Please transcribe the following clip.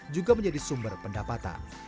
juga menjadi sumber pendapatan